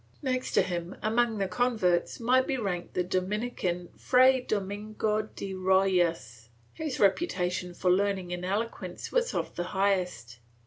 Next to him among the converts might be ranked the Dominican Fray Domingo de Rojas, whose reputation for learning and eloquence was of the highest.